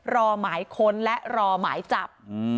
รอหมายค้นและรอหมายจับ